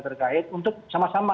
terkait untuk sama sama